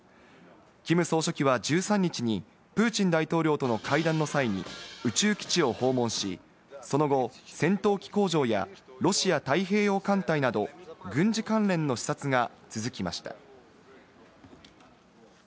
キム総書記は１３日にプーチン大統領との会談の際に宇宙基地を訪問し、その後、戦闘機工場やロシア太平洋艦隊など軍事関連の視察が続きました。